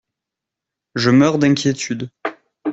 Je meurs d'inquiétude.